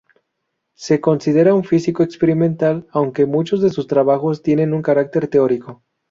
Se considera un físico experimental, aunque muchos de sus trabajos tienen un carácter teórico.